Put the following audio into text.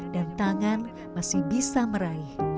dan tangan masih bisa meraih